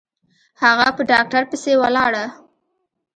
هغه په ډاکتر پسې ولاړه.